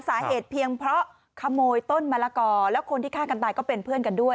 สาเหตุเพียงเพราะขโมยต้นมะละกอแล้วคนที่ฆ่ากันตายก็เป็นเพื่อนกันด้วย